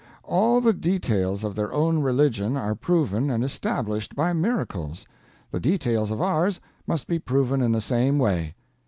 All the details of their own religion are proven and established by miracles; the details of ours must be proven in the same way.